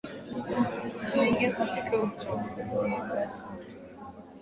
tunaingia katika uchanguzi basi watuwalizi